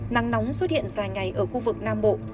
nắng nóng xuất hiện dài ngày ở khu vực nam bộ